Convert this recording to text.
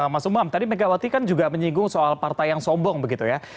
mas umam tadi megawati kan juga menyinggung soal partai yang sombong begitu ya